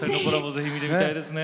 ぜひ見てみたいですね。